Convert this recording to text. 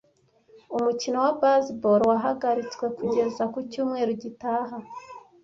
Umukino wa baseball wahagaritswe kugeza ku cyumweru gitaha.